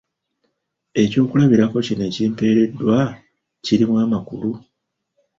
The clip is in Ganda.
Ekyokulabirako kino ekimpeereddwa kirimu amakulu?